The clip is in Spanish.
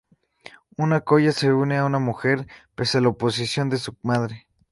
Un coya se une a una mujer pese a la oposición de su madre.